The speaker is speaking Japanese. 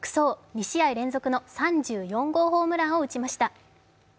２試合連続の３４号ホームランを打ちました。